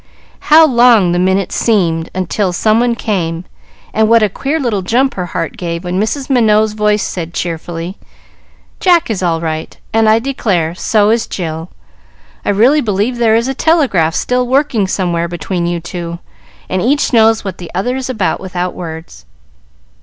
How long the minutes seemed till some one came, and what a queer little jump her heart gave when Mrs. Minot's voice said, cheerfully, "Jack is all right, and, I declare, so is Jill. I really believe there is a telegraph still working somewhere between you two, and each knows what the other is about without words."